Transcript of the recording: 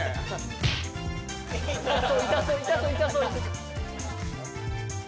痛そう痛そう痛そう痛そう。